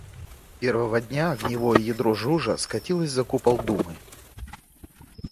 Первого дня огневое ядро жужжа скатилось за купол Думы.